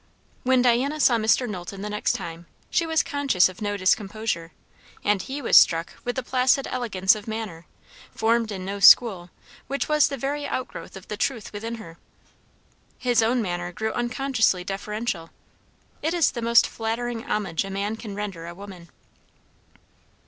When Diana saw Mr. Knowlton the next time, she was conscious of no discomposure; and he was struck with the placid elegance of manner, formed in no school, which was the very outgrowth of the truth within her. His own manner grew unconsciously deferential. It is the most flattering homage a man can render a woman.